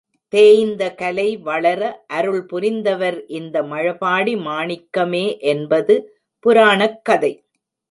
தேய்ந்த கலை வளர அருள் புரிந்தவர் இந்த மழபாடி மாணிக்கமே என்பது புராணக் கதை.